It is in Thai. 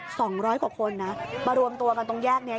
สองร้อยกว่าคนนะมารวมตัวกันตรงแยกเนี้ย